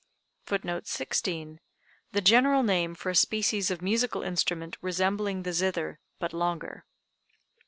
] [Footnote 16: The general name for a species of musical instrument resembling the zither, but longer.